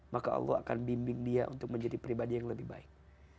maka allah akan bimbing dia untuk menjadi pribadi yang lebih baik